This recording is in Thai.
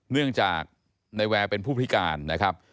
เนื่องจากในแวร์เป็นผู้พิการนะครับ